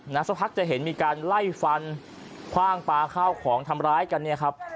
สักพักจะเห็นมีการไล่ฟันคว่างปลาข้าวของทำร้ายกันเนี่ยครับ